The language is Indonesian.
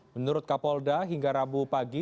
menurut kapolda hingga rabu pagi